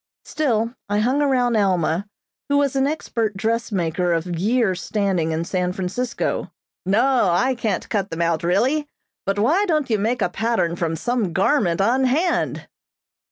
Still I hung around Alma, who was an expert dressmaker of years' standing in San Francisco. "No, I can't cut them out, really; but why don't you make a pattern from some garment on hand?"